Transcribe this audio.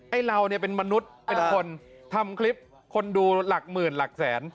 เราเนี่ยเป็นมนุษย์เป็นคนทำคลิปคนดูหลักหมื่นหลักแสน